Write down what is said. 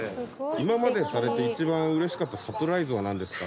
今までされて一番嬉しかったサプライズは何ですか？